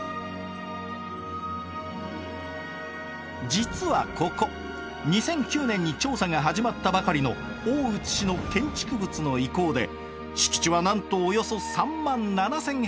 実はここ２００９年に調査が始まったばかりの大内氏の建築物の遺構で敷地はなんとおよそ３万７，０００。